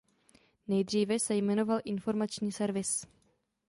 Nejdříve se jmenoval Informační servis.